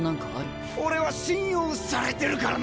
俺は信用されてるからな！